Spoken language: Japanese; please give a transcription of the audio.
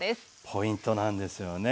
ポイントなんですよね。